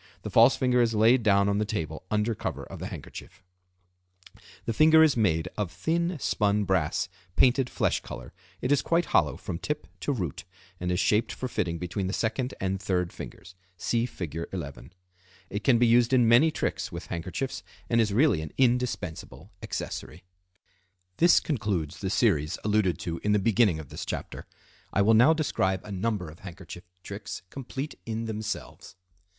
The false finger is laid down on the table under cover of the handkerchief. Fig. 11. False Finger. The finger is made of thin spun brass painted flesh color; it is quite hollow from tip to root, and is shaped for fitting between the second and third fingers (see Fig. 11). It can be used in many tricks with handkerchiefs, and is really an indispensable accessory. This concludes the series alluded to in the beginning of this chapter. I will now describe a number of handkerchief tricks complete in themselves.